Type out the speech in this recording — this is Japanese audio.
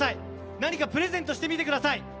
何かプレゼントしてみてください。